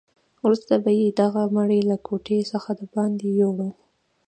وروسته به یې دغه مړی له کوټې څخه دباندې یووړ.